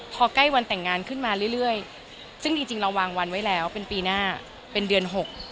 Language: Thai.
พอใกล้วันแต่งงานขึ้นมาเรื่อยซึ่งจริงเราวางวันไว้แล้วเป็นปีหน้าเป็นเดือน๖